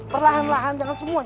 perlahan lahan jangan semua